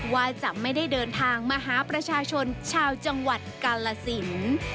ว่าจะไม่ได้เดินทางมาหาประชาชนชาวจังหวัดกาลสิน